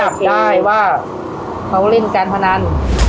เราจับได้ว่าเขาเล่นแกรนพนัน